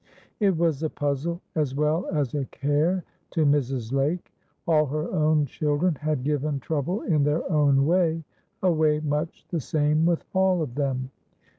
It was a puzzle as well as a care to Mrs. Lake. All her own children had given trouble in their own way,—a way much the same with all of them.